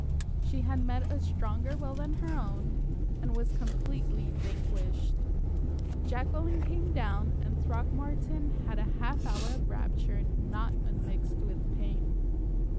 She had met a stronger will than her own, and was completely vanquished. Jacqueline came down, and Throckmorton had a half hour of rapture not unmixed with pain.